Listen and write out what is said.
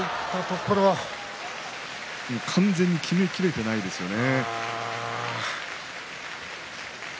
完全にきめきれていませんでしたね。